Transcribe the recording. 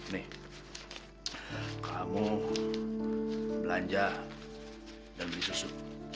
nih kamu belanja dan misu